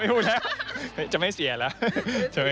อยู่แล้วจะไม่เสียแล้ว